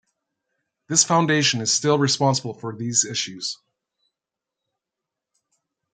This foundation is still responsible for these issues.